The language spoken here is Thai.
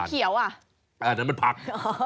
อันนั้นมันผัก